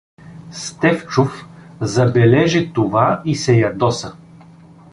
Стефчов забележи това и се ядоса.